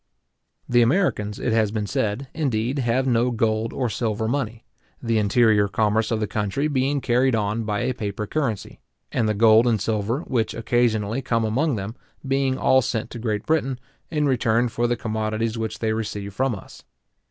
The Americans, it has been said, indeed, have no gold or silver money, the interior commerce of the country being carried on by a paper currency; and the gold and silver, which occasionally come among them, being all sent to Great Britain, in return for the commodities which they receive from us.